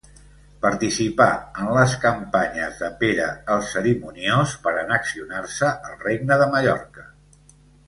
Participà en les campanyes de Pere el Cerimoniós per annexionar-se el Regne de Mallorca.